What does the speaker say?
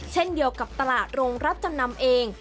เช่นเดียวกับตลาดโรงรับจำนำเอง